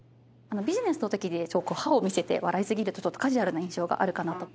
ビジネスの時に歯を見せて笑いすぎるとカジュアルな印象があるかなと。